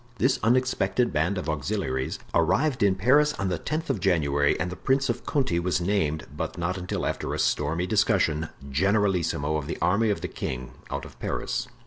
This unexpected band of auxiliaries arrived in Paris on the tenth of January and the Prince of Conti was named, but not until after a stormy discussion, generalissimo of the army of the king, out of Paris.